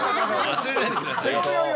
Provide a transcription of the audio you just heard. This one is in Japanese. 忘れないでください。